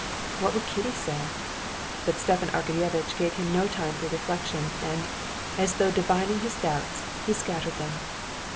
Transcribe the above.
What would Kitty say? But Stepan Arkadyevitch gave him no time for reflection, and, as though divining his doubts, he scattered them.